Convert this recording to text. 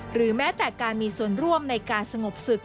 หรือแม้แต่การมีส่วนร่วมในการสงบศึก